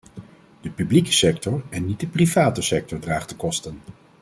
De publieke sector en niet de private sector draagt de kosten.